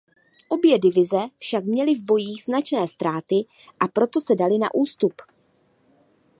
Obě divize však měly v bojích značné ztráty a proto se daly na ústup.